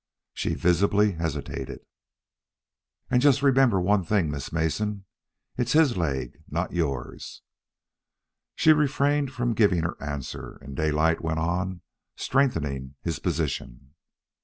She visibly hesitated. "And just remember one thing, Miss Mason: it's HIS leg, not yours." Still she refrained from giving her answer, and Daylight went on strengthening his position.